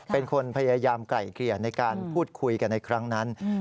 เป็นคนพยายามไกล่เกลี่ยในการพูดคุยกันในครั้งนั้น